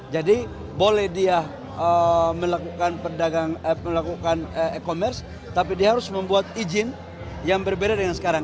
jadi boleh dia melakukan e commerce tapi dia harus membuat izin yang berbeda dengan sekarang